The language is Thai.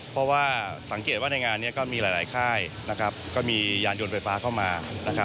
เพราะว่าสังเกตว่าในงานนี้ก็มีหลายค่ายก็มียานยนต์ไฟฟ้าเข้ามา